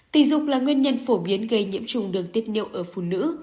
tình dục là nguyên nhân phổ biến gây nhiễm trùng đường tiết niệu ở phụ nữ